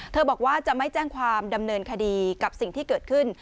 บอกว่าจะไม่แจ้งความดำเนินคดีกับสิ่งที่เกิดขึ้น